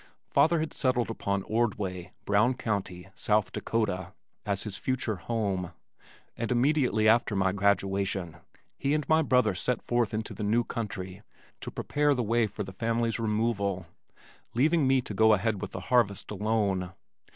Father had settled upon Ordway, Brown County, South Dakota, as his future home, and immediately after my graduation, he and my brother set forth into the new country to prepare the way for the family's removal, leaving me to go ahead with the harvest alone.